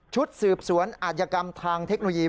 ชุดสืบสวนอาจยกรรมทางเทคโนโลยี